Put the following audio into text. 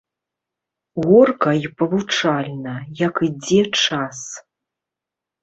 Горка і павучальна, як ідзе час.